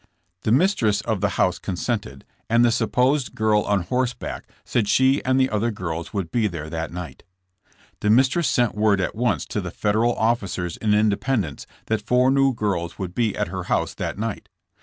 '* The mistress of the house consented, and the supposed girl on horse back said he and the other girls would be there that night. The mistress sent word at once to the Federal officers in Independence that four new girls would be at her house that night.